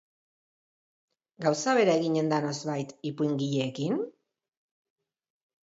Gauza bera eginen da noizbait ipuingileekin?